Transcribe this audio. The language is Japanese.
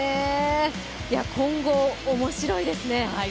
混合、面白いですね。